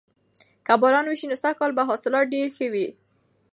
که باران وشي نو سږکال به حاصلات ډیر ښه وي.